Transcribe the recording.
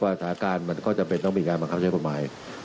สถานการณ์มันก็จำเป็นต้องมีการบังคับใช้กฎหมาย